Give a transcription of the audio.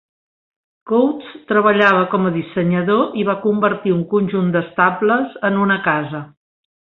Coutts treballava com a dissenyador i va convertir un conjunt d'estables en una casa.